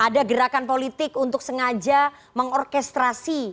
ada gerakan politik untuk sengaja mengorkestrasi